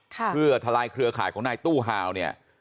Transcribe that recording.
เพื่อทลายเครือข่ายของนายตู้ฮาวเนี่ย